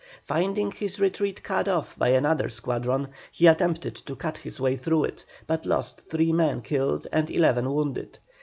Finding his retreat cut off by another squadron, he attempted to cut his way through it, but lost three men killed and eleven wounded.